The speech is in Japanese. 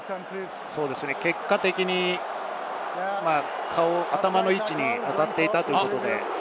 結果的に頭の位置に当たっていたということで。